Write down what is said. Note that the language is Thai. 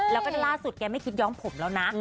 แล้วก็ล่าสุดแกไม่คิดย้อมผมแล้วนะ